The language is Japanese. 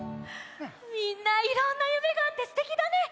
みんないろんなゆめがあってすてきだね。